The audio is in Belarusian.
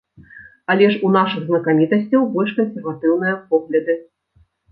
Але ж у нашых знакамітасцяў больш кансерватыўныя погляды.